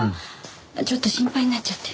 ちょっと心配になっちゃって。